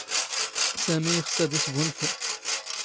ⵙⴰⵎⵉ ⵉⵅⵙ ⴰⴷ ⵉⵙⴳⵓⵏⴼⵓ.